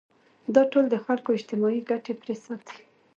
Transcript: دا ټول د خلکو اجتماعي ګټې پرې ساتي.